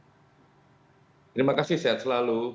terima kasih sehat selalu